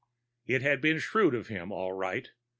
It had been shrewd of him, all right.